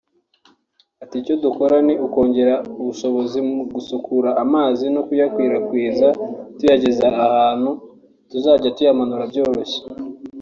Ati “Icyo dukora ni ukongera ubushobozi mu gusukura amazi no kuyakwirakwiza tuyageza ahantu tuzajya tuyamanura byoroshye